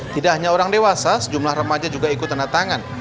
tidak hanya orang dewasa sejumlah remaja juga ikut tanda tangan